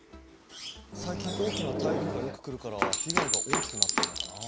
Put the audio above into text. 最近大きな台風がよく来るから被害が大きくなってるのかなあ。